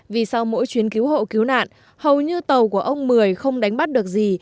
vì sau mỗi chuyến cứu hộ cứu nạn hầu như tàu của ông mười không đánh bắt được gì